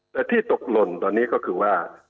แต่ที่ตกหล่นตอนนี้ก็คือว่า